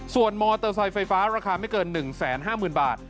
ส่วนมอเตอร์ไซค์ไฟฟ้าราคาไม่เกิน๑๕๐๐๐บาท